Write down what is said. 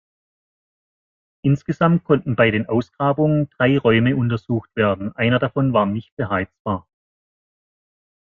Insgesamt konnten bei den Ausgrabungen drei Räume untersucht werden, einer davon war nicht beheizbar.